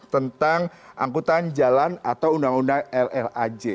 tentang angkutan jalan atau undang undang llaj